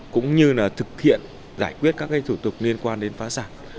cũng như là thực hiện giải quyết các thủ tục liên quan đến phá sản